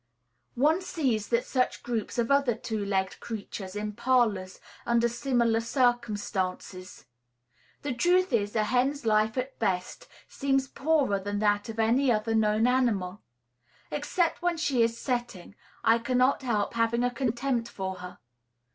One sees just such groups of other two legged creatures in parlors, under similar circumstances. The truth is, a hen's life at best seems poorer than that of any other known animal. Except when she is setting, I cannot help having a contempt for her.